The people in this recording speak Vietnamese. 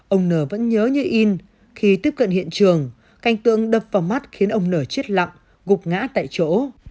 ông n vẫn nhớ như in khi tiếp cận hiện trường cảnh tượng đập vào mắt khiến ông nở chết lặng gục ngã tại chỗ